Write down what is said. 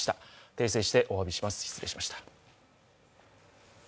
訂正しておわびします、失礼しました。